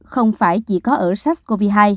không phải chỉ có ở sars cov hai